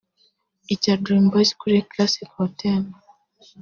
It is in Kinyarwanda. icya Dream Boyz kuri Classic Hotel